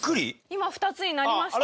今２つになりましたよ。